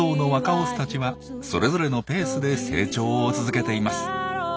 オスたちはそれぞれのペースで成長を続けています。